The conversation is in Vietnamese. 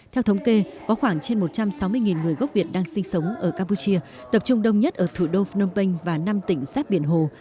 theo thống kê có khoảng trên một trăm sáu mươi người gốc việt đang sinh sống ở campuchia tập trung đông nhất ở thủ đô phnom penh và năm tỉnh sát biển hồ